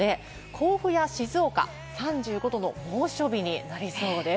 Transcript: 甲府や静岡３５度の猛暑日になりそうです。